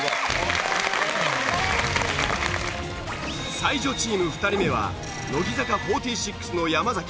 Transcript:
才女チーム２人目は乃木坂４６の山崎。